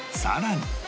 さらに